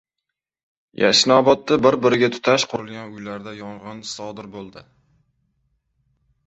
Yashnobodda bir biriga tutash qurilgan uylarda yong‘in sodir bo‘ldi